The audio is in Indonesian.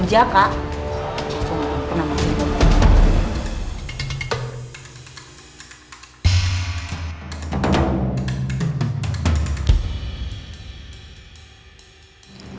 pernah mati bang